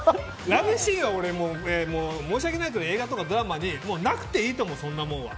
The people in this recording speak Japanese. ラブシーンは申し訳ないけど映画とかドラマになくていいと思う、そんなもんは。